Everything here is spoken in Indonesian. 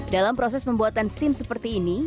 dalam proses pembuatan sim seperti ini